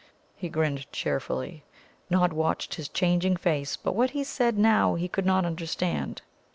He grinned cheerfully. Nod watched his changing face, but what he said now he could not understand.